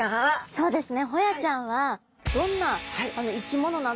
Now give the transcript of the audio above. そうですね。